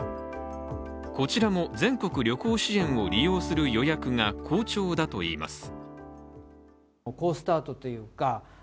こちらも全国旅行支援を利用する予約が好調だといいます。